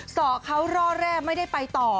สอเขาร่อแร่ไม่ได้ไปต่อ